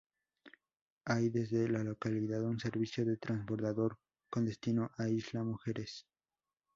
Hay desde la localidad un servicio de transbordador con destino a Isla Mujeres.